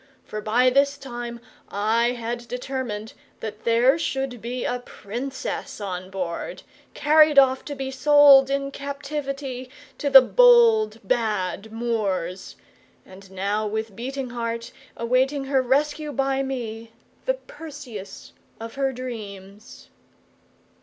For by this time I had determined that there should be a Princess on board, carried off to be sold in captivity to the bold bad Moors, and now with beating heart awaiting her rescue by me, the Perseus of her dreams.